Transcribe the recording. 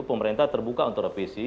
pemerintah terbuka untuk direvisi